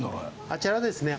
あちらですね